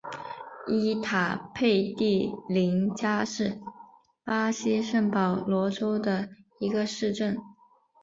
伊塔佩蒂宁加是巴西圣保罗州的一个市镇。